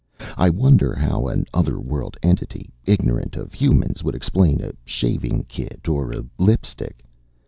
I wonder how an other world entity, ignorant of humans, would explain a shaving kit or a lipstick.